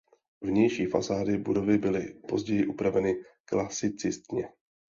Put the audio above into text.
Vnější fasády budovy byly později upraveny klasicistně.